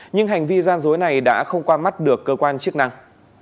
nhưng hành vi gian dối này đã không qua mắt được cơ quan chức năng